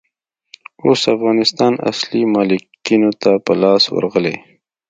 اوس افغانستان اصلي مالکينو ته په لاس ورغلئ.